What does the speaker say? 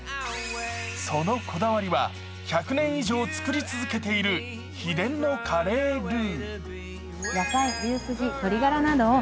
そのこだわりは、１００年以上作り続けている秘伝のカレールー。